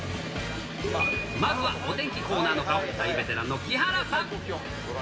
まずはお天気コーナーの顔、大ベテランの木原さん。